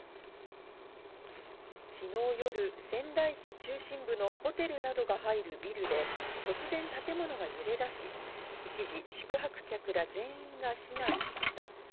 昨日夜、仙台市中心部のホテルなどが入るビルで、突然、建物が揺れだし、一時、宿泊客ら全員が避難しました。